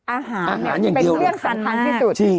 อาหารเนี่ยเป็นเรื่องสำคัญที่สุด